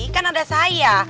kan ada saya